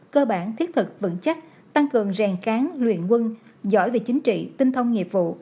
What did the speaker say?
cơ bản thiết thực vững chắc tăng cường rèn cán luyện quân giỏi về chính trị tinh thông nghiệp vụ